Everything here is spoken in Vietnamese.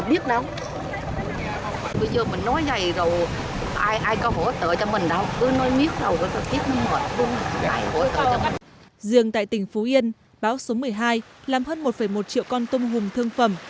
riêng tại tỉnh phú yên bão số một mươi hai làm hơn một một triệu con tôm hùm thương phẩm